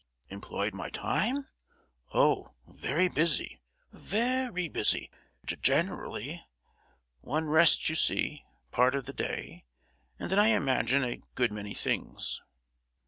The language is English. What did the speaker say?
"Employed my time? Oh, very busy; very busy, ge—generally. One rests, you see, part of the day; and then I imagine a good many things."